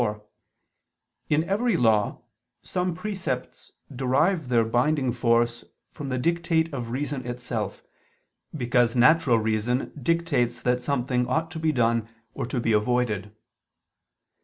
4), in every law, some precepts derive their binding force from the dictate of reason itself, because natural reason dictates that something ought to be done or to be avoided.